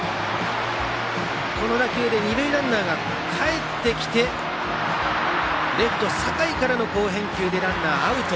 この打球で二塁ランナーがかえってきてレフト、酒井からの好返球でランナーアウト。